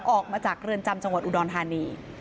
ออกมาจากเรือนจำจังหวัดอุดรธานี